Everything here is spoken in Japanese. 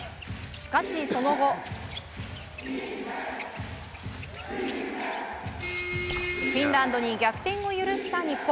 しかし、その後フィンランドに逆転を許した日本。